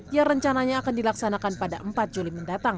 yang rencananya akan dilaksanakan pada empat juni